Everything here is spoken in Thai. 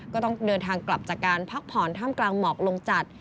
ก็ต้องเดินทางกลับจากการพักผ่อนท่ามกลางหมอกลงจัด